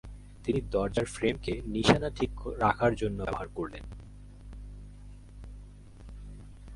তিনি দরজার ফ্রেম কে নিশানা ঠিক রাখার জন্য ব্যবহার করলেন।